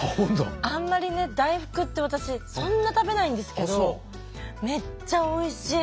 あんまりね大福って私そんな食べないんですけどめっちゃおいしい。